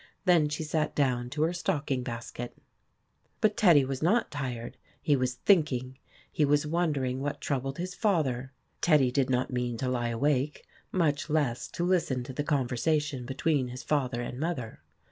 Then she sat down to her stocking basket. But Teddy was not tired ; he was thinking. He was wonder ing what troubled his father. Teddy did not mean to lie awake, much less to listen to the conversation between his father and mother.